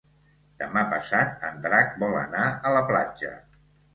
Demà passat en Drac vol anar a la platja.